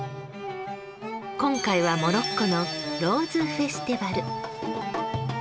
今回はモロッコのローズフェスティバル。